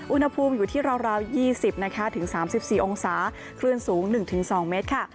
อุณหภูมิอยู่ที่ราว๒๐นะคะถึง๓๔องศาคลื่นสูง๑๒เมตรค่ะ